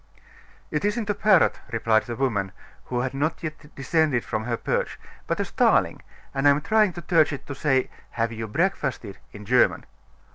"It isn't a parrot," replied the woman, who had not yet descended from her perch; "but a starling, and I am trying to teach it to say 'Have you breakfasted?' in German."